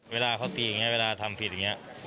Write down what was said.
เวลาเขาตีอย่างนี้เวลาทำผิดอย่างนี้